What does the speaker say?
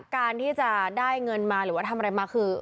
การที่จะได้เงินมาหรือว่าทำอะไรมาคือ